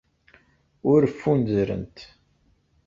Ur ffunzrent.